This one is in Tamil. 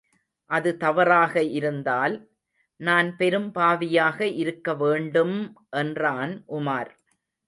அது தவறாக இருந்தால், நான் பெரும் பாவியாக இருக்க வேண்டும்! என்றான் உமார்.